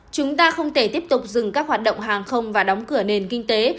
chúng ta không thể tiếp tục dừng các hoạt động hàng không và đóng cửa nền kinh tế